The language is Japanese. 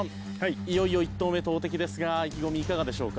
いよいよ１投目投てきですが意気込みいかがでしょうか？